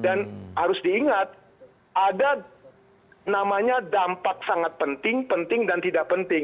dan harus diingat ada namanya dampak sangat penting penting dan tidak penting